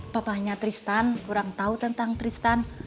papahnya tristan kurang tahu tentang tristan